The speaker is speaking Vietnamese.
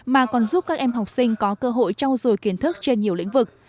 mà còn giúp các em học sinh có cơ hội trao dồi kiến thức trên nhiều lĩnh vực